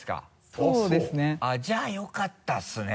そうですね。じゃあよかったですね。